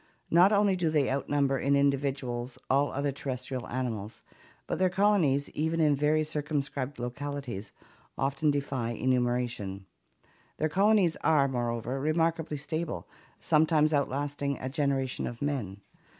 Not only do they outnumber in individuals all other terrestrial animals, but their colonies even in very circumscribed localities often defy enumeration. Their colonies are, moreover, remarkably stable, sometimes outlasting a generation of men.